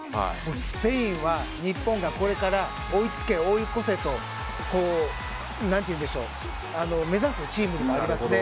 スペインは、日本がこれから追いつけ追い越せと目指すチームでもありますね。